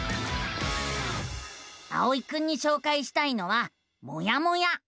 あおいくんにしょうかいしたいのは「もやモ屋」。